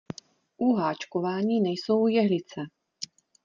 U háčkování nejsou jehlice.